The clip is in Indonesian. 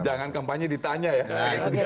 jangan kampanye ditanya ya